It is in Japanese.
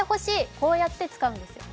こうやって使うんですよね。